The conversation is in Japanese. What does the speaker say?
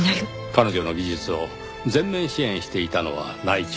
彼女の技術を全面支援していたのは内調。